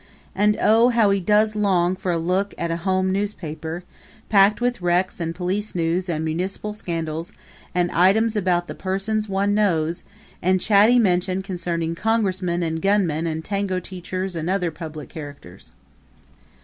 And oh, how he does long for a look at a home newspaper packed with wrecks and police news and municipal scandals and items about the persons one knows, and chatty mention concerning Congressmen and gunmen and tango teachers and other public characters.